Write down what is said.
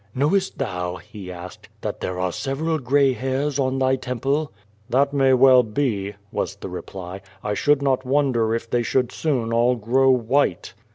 "Knowest thou," he asked, "that there are several gray hairs on thy temple?'' "That may well bo," was the reply; "I should not wonder if they should soon all grow white."